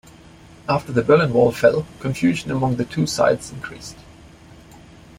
After the Berlin Wall fell, confusion among the two sides increased.